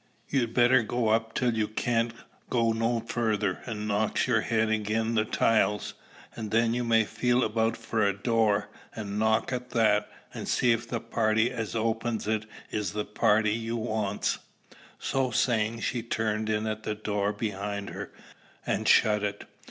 You'd better go up till you can't go no further, an' knocks yer head agin the tiles, and then you may feel about for a door, and knock at that, and see if the party as opens it is the party you wants." So saying, she turned in at a door behind her, and shut it.